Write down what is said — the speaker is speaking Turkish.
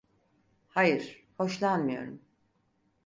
Hayır, hoşlanmıyorum.